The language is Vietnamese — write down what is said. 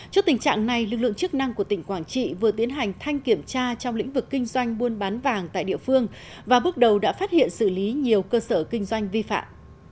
trước tình trạng này lực lượng chức năng của tỉnh quảng trị vừa tiến hành thanh kiểm tra trong lĩnh vực kinh doanh buôn bán vàng tại địa phương và bước đầu đã phát hiện xử lý nhiều cơ sở kinh doanh vi phạm